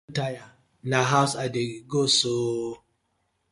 Mi ma, I don tire, na hawz I dey go so ooo.